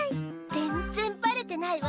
ぜんぜんバレてないわ。